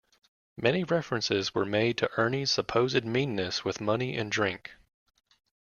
Many references were made to Ernie's supposed meanness with money and drink.